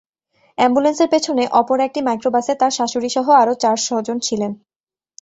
অ্যাম্বুলেন্সের পেছনে অপর একটি মাইক্রোবাসে তাঁর শাশুড়িসহ আরও চার স্বজন ছিলেন।